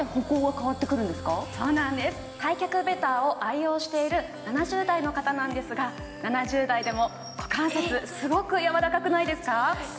開脚ベターを愛用している７０代の方なんですが、７０代でも股関節、すごく柔らかくないですか？